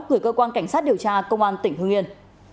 gửi cơ quan cảnh sát điều tra công an tỉnh hưng yên